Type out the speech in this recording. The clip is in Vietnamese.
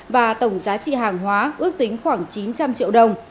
và tổng giá trị hàng hóa ước tính khoảng chín trăm linh triệu đồng